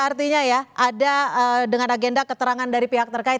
artinya ya ada dengan agenda keterangan dari pihak terkait